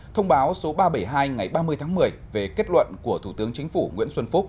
thông báo số ba trăm bảy mươi hai ngày ba mươi tháng một mươi về kết luận của thủ tướng chính phủ nguyễn xuân phúc